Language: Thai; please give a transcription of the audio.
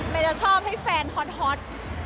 จะชอบให้แฟนฮอต